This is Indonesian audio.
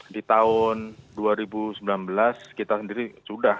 di tahun dua ribu sembilan belas kita sendiri sudah